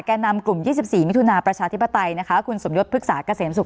นำกลุ่ม๒๔มิถุนาประชาธิปไตยนะคะคุณสมยศพฤกษาเกษมสุข